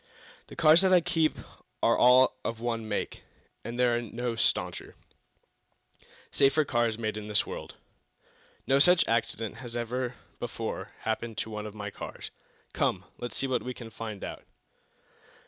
"The cars that I keep are all of one make, and there are no stauncher, safer cars made in the world. No such accident has ever before happened to one of my cars. Come; let's see what we can find out."